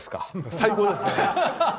最高ですね。